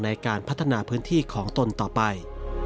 ในการพัฒนาพื้นที่ของตนต่อไป